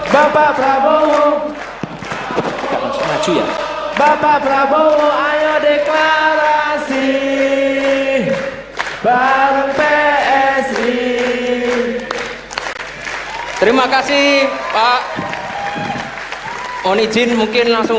bapak prabowo bapak prabowo ayo dikarasi taruh keseh